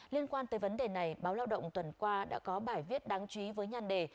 liên quan tới vấn đề này báo lao động tuần qua đã có bài viết đáng chú ý với nhân đề